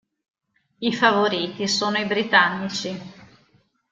I favoriti sono i britannici.